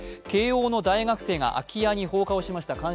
慶応の大学生が空き家に放火しました。